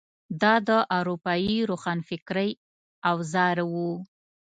دا د اروپايي روښانفکرۍ اوزار وو.